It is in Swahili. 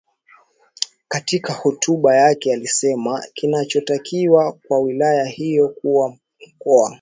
Katika hotuba yake alisema kinachotakiwa kwa wilaya hiyo kuwa mkoa